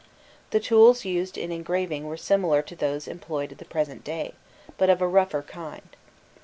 The tools used in engraving were similar to those employed at the present day, but of a rougher kind.